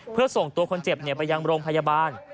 เพื่อส่งตัวคนเจ็บไปยังโรงพยาบาล